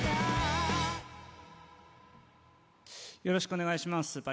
よろしくお願いします